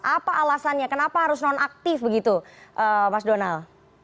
apa alasannya kenapa harus nonaktif begitu mas donal